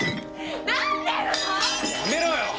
やめろよ！